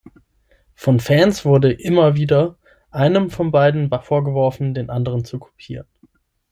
Von Fans wurde immer wieder einem von beiden vorgeworfen, den anderen zu kopieren.